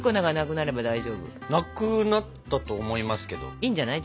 いいんじゃない？